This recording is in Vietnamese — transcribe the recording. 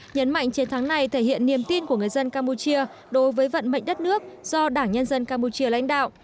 nhấn mạnh chiến thắng này thể hiện niềm tin của người dân campuchia đối với vận mệnh đất nước do đảng nhân dân campuchia lãnh đạo